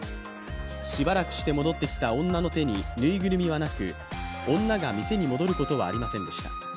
しばらくして戻ってきた女の手にぬいぐるみはなく女が店に戻ることはありませんでした。